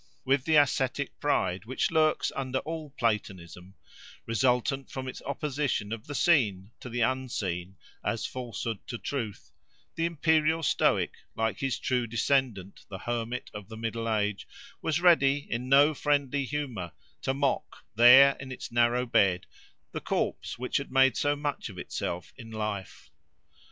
With the ascetic pride which lurks under all Platonism, resultant from its opposition of the seen to the unseen, as falsehood to truth—the imperial Stoic, like his true descendant, the hermit of the middle age, was ready, in no friendly humour, to mock, there in its narrow bed, the corpse which had made so much of itself in life.